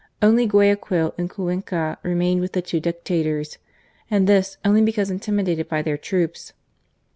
Only Guayaquil and Cuenca remained with the two Dictators, and this only because intimidated by their troops.